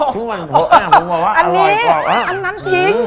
คือมันโถอ้าวมึงบอกว่าอร่อยกว่าอันนี้อันนั้นทิ้ง